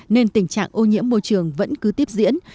nên tình trạng ô nhiễm môi trường vẫn cứ tiếp diễn